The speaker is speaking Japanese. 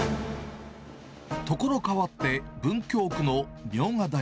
所変わって、文京区の茗荷谷。